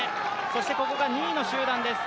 そしてここが２位の集団です。